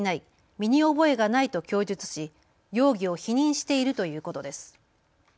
身に覚えがないと供述し容疑を否認しているということです。